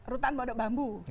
rutan modok bambu